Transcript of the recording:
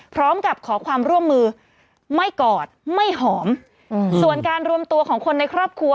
พร้อมกับขอความร่วมมือไม่กอดไม่หอมส่วนการรวมตัวของคนในครอบครัว